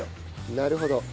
なるほど。